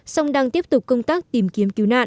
song đang tiếp tục công tác tìm kiếm cứu nạn